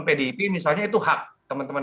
pdip misalnya itu hak teman teman